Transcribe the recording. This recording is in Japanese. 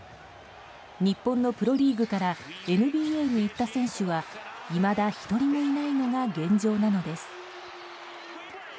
日本のプロリーグからＮＢＡに行った選手はいまだ１人もいないのが現状なのです。